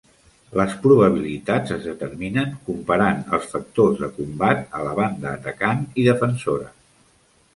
Les probabilitats es determinen comparant els factors de combat a la banda atacant i defensora.